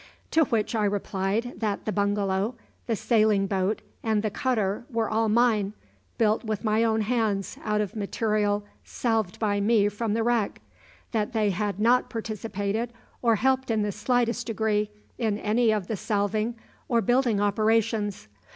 To which I replied that the bungalow, the sailing boat, and the cutter were all mine, built with my own hands out of material salved by me from the wreck; that they had not participated or helped in the slightest degree in any of the salving or building operations.